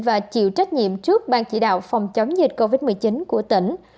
và chịu trách nhiệm trước ban chỉ đạo phòng chống dịch covid một mươi chín của tỉnh